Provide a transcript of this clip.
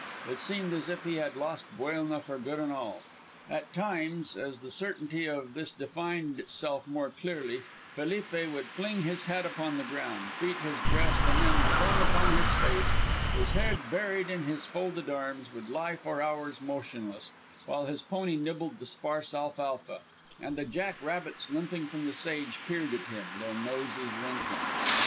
It seemed as if he had lost Buelna for good and all. At times, as the certainty of this defined itself more clearly, Felipe would fling his hat upon the ground, beat his breast, and then, prone upon his face, his head buried in his folded arms, would lie for hours motionless, while his pony nibbled the sparse alfalfa, and the jack rabbits limping from the sage peered at him, their noses wrinkling.